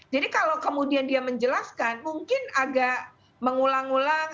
jadi kalau kemudian dia menjelaskan mungkin agak mengulang ulang